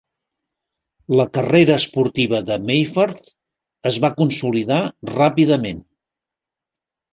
La carrera esportiva de Meyfarth es va consolidar ràpidament.